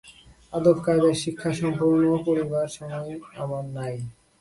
আদবকায়দার শিক্ষা সম্পূর্ণ করিবার সময় আমার নাই।